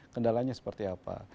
kendalanya seperti apa